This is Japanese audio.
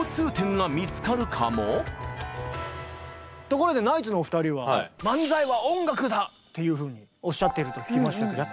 ところでナイツのお二人はっていうふうにおっしゃってると聞きましたけど。